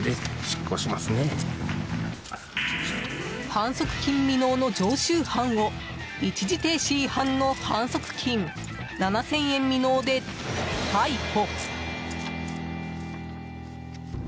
反則金未納の常習者を一時停止違反の反則金７０００円未納で逮捕。